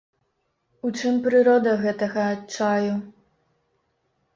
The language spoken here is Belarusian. У чым прырода гэтага адчаю?